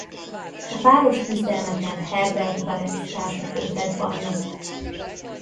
A páros küzdelmeken Herbert Barrett társaként lett bajnok.